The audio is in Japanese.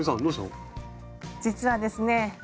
実はですね